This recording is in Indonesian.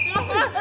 oh ya bener bener